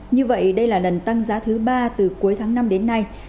như vậy đây là lần tăng giá thứ ba từ cuối tháng năm đến nay